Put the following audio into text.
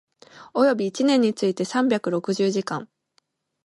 及び一年について三百六十時間